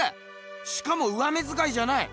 しかも上目づかいじゃない！